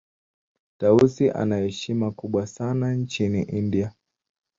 tausi ana heshima kubwa sana nchini india